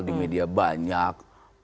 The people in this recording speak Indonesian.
di media banyak